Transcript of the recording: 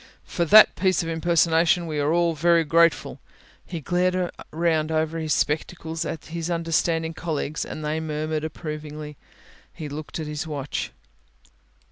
For that piece of impersonation we are all very grateful;" he glared round over his spectacles at his understanding colleagues and they murmured approvingly. He looked at his watch.